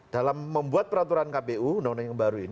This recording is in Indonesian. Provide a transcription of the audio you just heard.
dalam membuat peraturan kpu